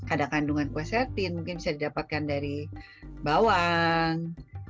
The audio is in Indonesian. ada kandungan kuah serpin mungkin bisa didapatkan dari bawang